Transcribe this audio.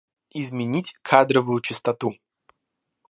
Изменить кадровую частоту